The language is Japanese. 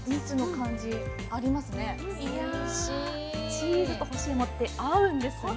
チーズと干しいもって合うんですね。